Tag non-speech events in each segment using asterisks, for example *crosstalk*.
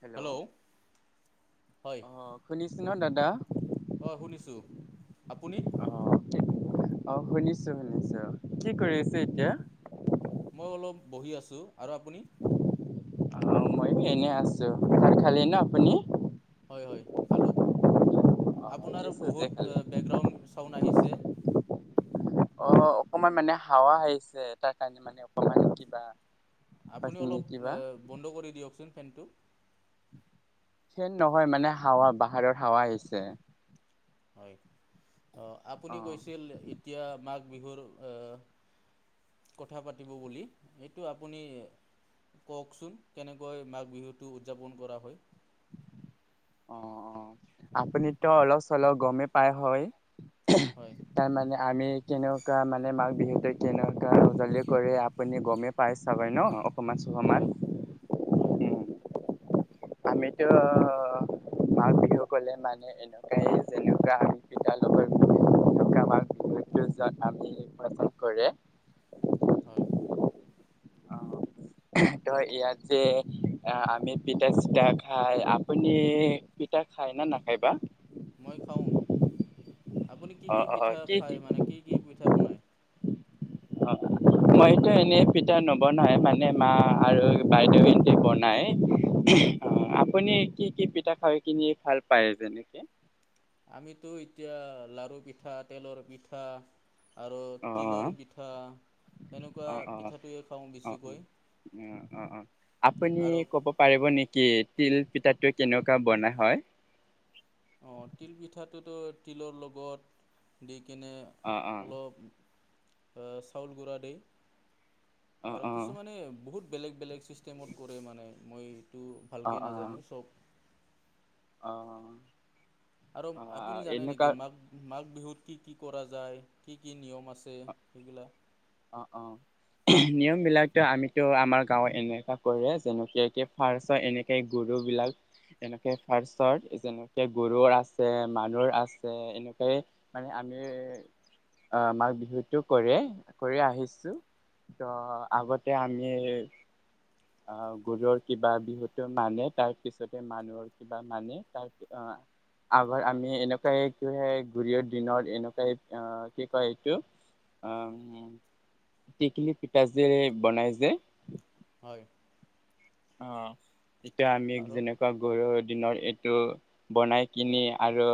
Hello অঁ শুনিছ ন দাদা অ শুনিছোঁ। আপুনি? অ শুনিছো শুনিছো। কি কৰি আছে এতিয়া? মই অলপ বহি আছো। আৰু আপুনি? অ মইও এনে আছো। ভাত খালি ন আপুনি হেল্ল অ' কি আপোনাৰ চব্জি বহুত খালে? বেকগ্ৰাউণ্ড চাউণ্ড আহিছে *unintelligible* অ অকমান মানে হাৱা আহিছে তাৰ কাৰণে মানে অকমান কিবা আপুনি পাইছে অলপ নেকি বা? বন্ধ কৰি দিয়কচোন ফেনটো। ফেন নহয় মানে হাৱা বাহাৰৰ হাৱা আহিছে। হয় আহ আপুনি অ' কৈছিল এতিয়া মাঘ বিহুৰ আহ *unintelligible* কথা পাতিব বুলি এইটো আপুনি কওকচোন কেনেকৈ মাঘ বিহুটো উৎযাপন কৰা হয়? অ অ আপুনিতো অলপ চলপ গমেই পায় হয় হয় তাৰমানে *unintelligible* আমি কেনেকুৱা মানে মাঘ বিহুতে কেনেকুৱা উজালি কৰি আপুনি গমেই পাই চাবাই ন হয় সমাজখনত হয় *unintelligible* আমিতো মাঘ বিহু কলে মানে এনেকুৱাই যেনেকুৱা আমি পি পিঠা প্ৰস্তুত কৰে। হয়। অ ত ইয়াত যে আমি পিঠা পিঠা খায় আপুনি পিঠা খায় না নাখাই বা? মই খাওঁ। আপুনি কি কি পিঠা খায় মানে কি কি পিঠা বনায়? অ। মইটো এনেই পিঠা নবনাই মানে মা আৰু বাইদেউসতি বনাই। আপুনি কি কি পিঠা খাই কিনি ভাল পায় যেনেকে? *unintelligible* আমিতো এতিয়া লাৰু পিঠা তেলৰ পিঠা। আৰু অ তিলৰ পিঠা সেনেকুৱা অ অ পিঠাটোৱে খাওঁ অ অ বেছিকৈ। অ অ অ আপুনি আৰু কব পাৰিব নেকি কি তিল পিঠাটো কেনেকুৱা বনা হয়? অ তিল পিঠাটোতো তিলৰ লগত দি *unintelligible* কেনে অ', অ', অলপ চাউল গুড়া দি অ', আৰু অ', কিছুমানে বহুত বেলেগ বেলেগ চিষ্টেমত কৰে মানে মই তো অ', ভালকৈ অ', নাজানো চব অ আৰু আপুনি অ', জানে এনেকুৱা নেকি মাঘ মা বিহুত কি কি কৰা যায় কি কি নিয়ম আছে সেইবিলাক? অ অ নিয়ম বিলাকতো আমিতো আমাৰ গাঁওত এনেকুৱা কৰে যেনেকে ফাৰ্চ এনেকে গুৰে বিলাক এনেকে ফাৰ্চত যেনেকে গৰুৰ আছে মানুহৰ আছে এনেকে মানে আমি অ মাঘ বিহুতটো কৰে। কৰি আহিছো ত আগতে আমি আহ গুৰুৰ কিবা বিহুতো মানে তাৰ পিছতে মানুহৰ কিবা মানে তাৰ অ *unintelligible* আৰ আমি এনেকুৱাই কি গুৰিয়ৰ দিনত এনেকুৱাই অ কি কয় এইটো? *unintelligible* উ তেকেলি পিঠা যে বনাই যে হয় অ এতিয়া আমি আৰু যেনেকুৱা গৰুৰত *unintelligible* দিনৰ এইটো বনাই কিনি আৰু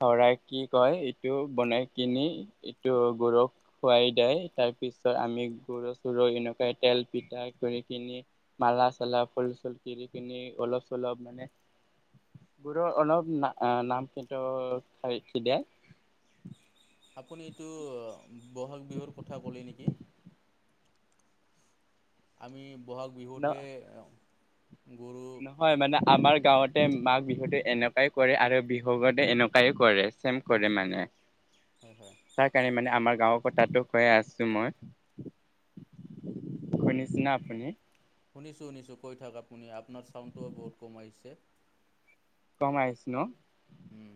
চৰাই কি কয় এইটো বনাই কিনি ইটো গৰুক খোৱাই দিয় ত তাৰ পিছত আমি গৰু চৰু এনেকুৱাই তেল পিঠা কৰি কিনি। মালা চালা ফুল চুল ক কিনি অলপ চলপ মানে, গৰু অণৱ হ নাম কিন্তু খ আপুনি এইটো বহাগ বিহুৰ কথা ক'লে নেকি? আমি বহাগ ন বিহুতে নহয় মানে আমাৰ। গাঁৱতে মাঘ বিহুত এনেকুৱাই কৰে আৰু বিহুতে এনেকুৱাই কৰে চেম কৰে মানে। হয় হয় তাৰ কাৰণে মানে আমাৰ গাঁওক তাতো কৈয়ে আছো মই শুনিছো। শুনিছো শুনিছো। কৈ থাক আপুনি আপোনাৰ চাউণ্ডটোও বহুত কম আহিছে। সোমাই আহিছ ন উম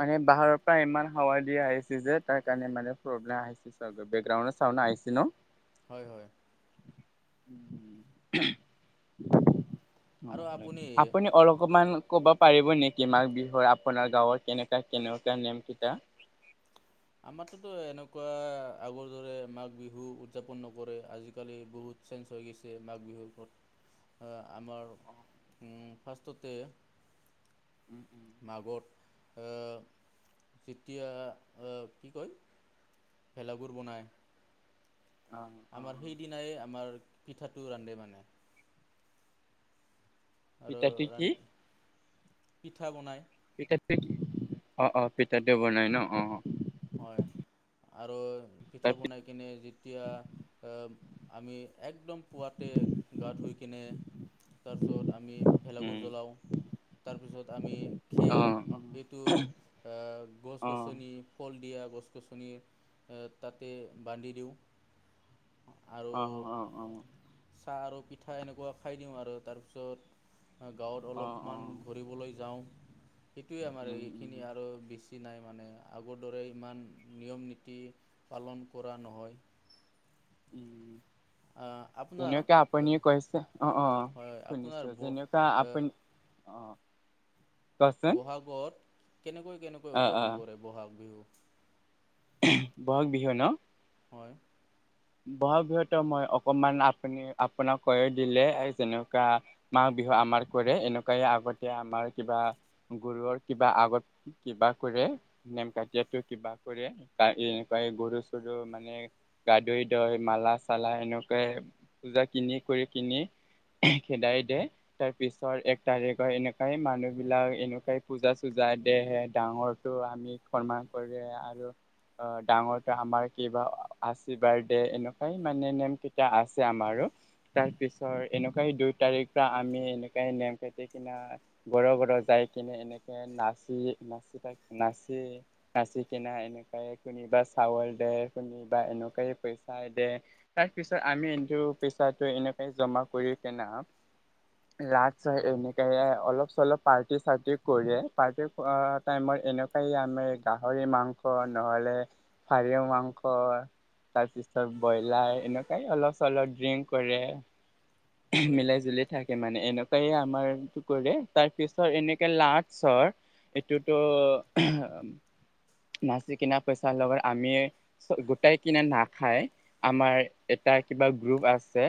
মানে পাহাৰৰ পৰা ইমান হাৱা দিয়া আহিছে যে তাৰ কাৰণে মানে প্ৰব্লেম আহিছে বেকগ্ৰাউণ্ডৰ ছাউণ্ড নাই। আহিছে ন। হয় হয়। উম। হয় হয় আপুনি অলপমান ক'ব পাৰিব নেকি মাঘ বিহুৰ আপোনাৰ গাঁৱৰ কেনেকুৱা কেনেকুৱা নিয়ম কেইটা আমাৰতো এনেকুৱা আগৰ দৰে মাঘ বিহু উদযাপন নকৰে আজিকালি বহুত চেঞ্জ হৈ গৈছে মাঘ বিহুৰ। আমাৰ ফাৰ্ষ্টতে উম উম। অ যেতিয়া অ কি কয়। ভেলাঘৰ বনাই অ অ আমাৰ অ সেই দিনাই আমাৰ পিঠাটো ৰান্ধে মানে আৰু পিঠাটো কি ৰান‌ পিঠা বনাই। পিঠাটো অ অ পিতাটো বনাই ন অ অ। হয় আৰু পিঠা তাৰ বনাই কিনে যেতিয়া আহ আমি একদম পুৱাতে গা ধুই কিনে তাৰপিছত আমি ভেলাঘৰ উম জ্বলাওঁ। তাৰপিছত আমি অ খেৰ এইটো গছ অ গছনি গছ গছনি তাতে বান্ধি দিওঁ। আহ আৰু অ অ। চাহ আৰু পিঠা এনেকুৱা খাই দিওঁ আৰু তাৰপিছত গাঁৱত অ অ অলপমান ঘূৰিবলৈ যাওঁ। সেইটোৱে আমাৰ উম উম এইখিনি আৰু বেছি নাই মানে আগৰ দৰে ইমান নিয়ম নীতি পালন কৰা নহয়। আপোনাৰ যেনেকে আপুনিয় কৈছে। অ অ হয় আপোনাৰ শুনিছো ব যেনেকুৱা আপুনি অ কোৱাচোন বহাগত কেনেকৈ কেনেকৈ অ অ উদযাপন কৰে বহাগ বিহু বহাগ বিহু ন। হয়। বহাগ বিহুতো মই অকমান আপুনি আপোনাক কই দিলে যেনেকুৱা মা বিহু আমাৰ কৰে এনেকুৱাই আগতে আমাৰ কিবা গুৰুৰ কিবা আগত কিবা কৰে। নিয়ম কাৰ্যটো কিবা কৰে এনেকুৱাই গৰু চৰু মানে গাধুৱাই দয় মালা চালা এনেকে পূজা কিনি কৰি কিনি খেদাই দে তাৰ পিছৰ এক তাৰিখৰ এনেকুৱাই মানুহ বিলাক এনেকুৱাই পূজা চূজা। দেহ হে ডাঙৰটো আমি সন্মান কৰে। আৰু অ ডাঙৰটো আমাক কিবা আশীৰ্বাদ এনেকুৱাই মানে নিয়ম কেইটা আছে আমাৰো তাৰ পিছৰ এনেকুৱাই দুই তাৰিখ পৰা আমি আমি এনেকাই নিয়ম কাতি কিনা ঘৰ ঘৰ যাই কিনে এনেকে নাচি নাচি থাক নাচি নাচি কিনা এনেকুৱাইে কোনোবা চাউল দে কোনোবা এনেকুৱাই পইচা। চাই দে তাৰ পিছত আমি কিটো পইচাটো এনেকে জমা কৰি কেনা- লাজ চ হয় এনেকে অলপ চলপ- পাৰ্টি চাৰ্টি কৰে পাৰ্টি টাইমত এনেকুৱাই আমি গাহৰি মাংস নহ'লে *unintelligible* মাংস তাৰপিছত- তাৰ ব্ৰইলাৰ এনেকুৱাই অলপ চলপ ড্ৰিংক কৰে, হয় মিলাই জুলি থাকে মানে। এনেকুৱাইে আমাৰটো কৰে তাৰ পিছত এনেকে লাৰচৰ এইটোতো নাচি কিনা পইচাৰ লগত আমি গোটাই কিনা নাখাই আমাৰ এটা কিবা গ্ৰুপ আছে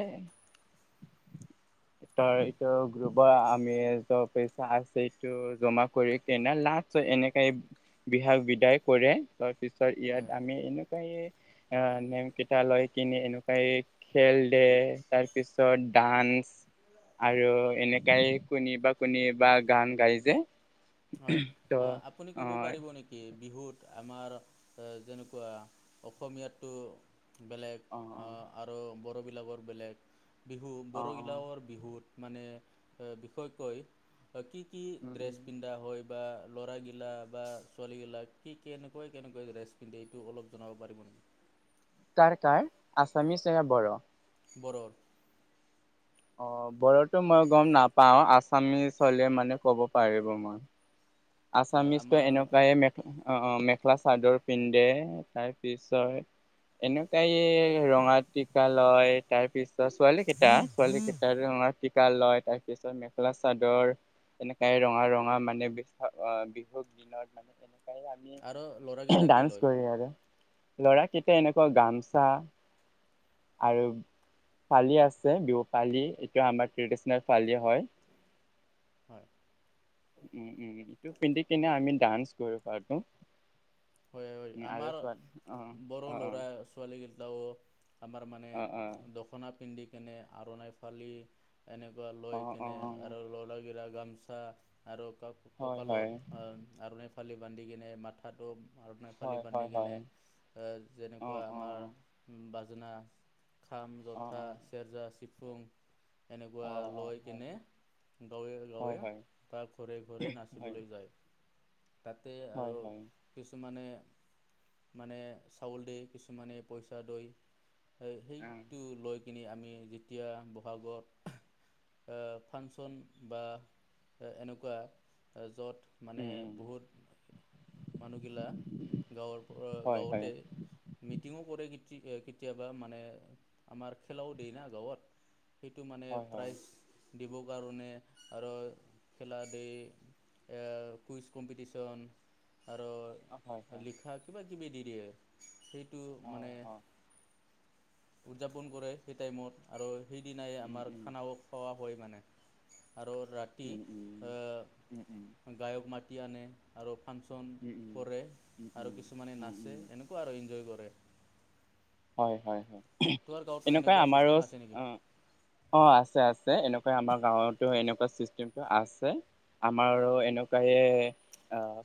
ত এইটো গ্ৰুপৰ আমি পইচা আছেটো জমা কৰি কেনে লা এনেকাই বিহাস বিদায় কৰে তাৰপিছত হয় ইয়াত আমি এনেকুৱাই অ নেম কেইটা লৈ কিনি এনেকুৱাই খেল দে, তাৰ পিছত দান আৰু এনেকাই কোনে বা কোনে বা গান গাই যে হয় ত অ আপুনি অ কব পাৰিব নেকি বিহুত আমাৰ যেনেকুৱা অসমীয়াটো বেলেগ, অ অ আৰু বড়োবিলাকৰ বেলেগ, বিহু অ বড়োবিলাকৰ বিহুত মানে বিষয় কৈ কি কি উম ড্ৰেছ উম পিন্ধা হয় বা ল'ৰাগিলা বা ছোৱালী গিলাক কি কেনেকৈ কেনেকুৱৈ ড্ৰেছ পিন্ধে এইটো অলপ জনাব পাৰি? কাৰ কাৰ আছামিচ নে ব'ড়? বৰৰ। অ বড়ো'ত মই গম নাপাও আছামিচ হলে মানে ক'ব পাৰিব মই। হয় আছামিছটো আমাৰ এনেকুৱে মেখেল অ এখা চাদৰ পিন্ধে তাৰ পিছত এনেকুৱাই ৰঙা টিকা লয়, তাৰ পিছত ছোৱালী কেইটা ছোৱালী কেইটাৰ আমাৰ লয় তাৰপিছত মেখেলা- চাদৰ, এনেকাই ৰঙা ৰঙা মানে বে বিহুক দিনত মানে এনেকাই আমি আৰু ল'ৰাকেইটা কি ডান্স লয় কৰি আৰু। লৰাক কেইটা এনেকুৱা গামচা আৰু পালি আছে বিহু পালি এইটো আমাৰ ট্ৰেডিচনেল ফালি হয়। হয়। উম উম ইটো পিন্ধি কিনে আমি ডান্স কৰো কৰা'তো। হয় হয় হয়। আমাৰ ব'ড় অ ল'ৰা- ছোৱালী কেটাও আমাৰ মানে অ অ অ দখনা পিন্ধি কেনে আৰ নাইফালি এনেকুৱা লৈ অঁ অঁ কিনে আৰু ল'ৰা গিলা গামচা আৰু ক হয় কঁকালত হয় আৰণ ফালি বান্ধি কিনে মাথাটো মণ ফালি হয় বান্ধি হয় কিনে হয় অঁ যেনেকুৱা অঁ আমাৰ বাজনা খাম, অঁ জোথা, চেৰজা, চিফুং অঁ এনেকুৱা অঁ লৈ অঁ কেনে গাঁৱে, হয় গাঁৱে হয় বা ঘৰে ঘৰে হয় নাচিবলৈ যায়। তাতে হয় হয় আৰু হয় মে মানে চাউল, দিয়ে কিছুমানে পইচা দৈ অ সেইটো লৈ কিনি আমি যেতিয়া বহাগত ফাংচন বা এনেকুৱা য'ত মানে উম উম বহুত মানুহগিলা গাঁৱৰ, পৰা হয় হয় গাঁৱতে মিটিঙো কৰে কেতিয়াবা মানে আমাৰ খেলাও দিয় না গাঁৱত সেইটো মানে হয় হয় প্ৰাইজ দিবৰ কাৰণে আৰু খেলা দি কুইজ কম্পিটিশ্যন, আৰু অ হয় হয় লিখা কিবাকিবি দি দিয়ে সেই টো অঁ মানে অঁ উদযাপন কৰে সেই টাইমত আৰু সেইদিনাই আমাৰ খানাও খোৱা হয় মানে। আৰু ৰাতি হয় গায়ক মাতি আনে আৰু ফাংচন ন কৰে আৰু কিছুমানে নাচে এনেকুৱা আৰু এনজয় কৰে। হয় হয় হয় তোমাৰ গাঁৱতো এনেকুৱা আমাৰো ছিষ্টেম আছে নেকি অ অ আছে আছে। এনেকুৱা আমাৰ গাঁৱতো এনেকুৱা চিষ্টেমটো আছে। আমাৰ এনেকুৱাইে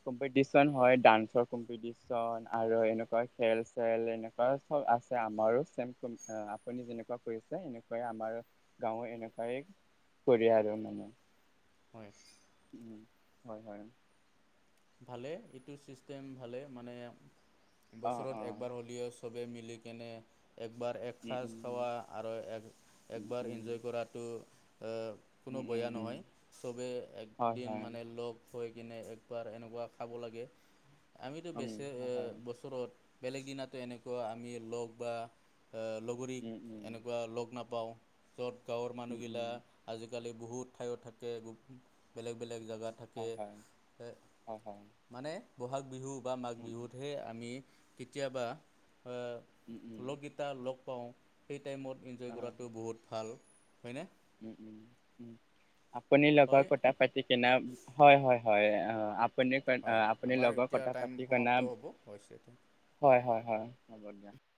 কম্পিটিচন হয় ডান্সৰ কম্পিটিশন আৰু এনেকুৱা খেল চেল এনেকুৱা আছে আমাৰো চম কোম আপুনি যেনেকুৱা কৰিছে এনেকুৱাই আমাৰ গাঁৱৰ এনেকুৱাই কৰিয়াৰ মানে। হয় উম হয় হয়। ভালে এইটো ছিষ্টেম ভালে মানে অ অ বছৰত একবাৰ হ'লেও চব- বে মিলিকেনে একবাৰ উম উম এসাঁজ খোৱা আৰু এক উম একবাৰ উম ইনজয় কৰাতটো কোনো উম উম বেয়া উম নহয় চবেই হয় একদিন হয় মানে লগ হৈ কিনে একবাৰ এনেক- বা খাব লাগে আমিতো উম বেচে হয় হয় বছৰত বেলেগ দিনাতো এনেকুৱা আমি লগ বা লগৰীক উম উম এনেকুৱা লগ নাপাওঁ। য'ত গাঁৱৰ উম মানুহগিলা উম আজিকালি বহুত ঠাইত থাকে বেলেগ বেলে- লেগ জেগাত থাকে হয় হয় হয় হয় মানে বহাগ বিহু, বা মাঘ উম উম বিহুতহে আমি কেতিয়াবা উম উম লগকটা লগ পাওঁ সেই টাইমত ইনজয় কৰাটো বহুত ভাল হয়নে। উ উ আপুনি লগৰ হয় কথা পাতি কেনে হয় হয়। হয় আপুনি হয় আপুনি আমাৰ লগত এতিয়া কথা টাইম পাতি কনে সমাপ্ত হ'ব হৈছে হয় হয়। হয় হ'ব দা